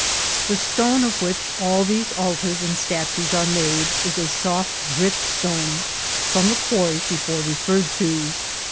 The stone of which all these altars and statues are made is a soft grit stone from the quarries before re ferred to.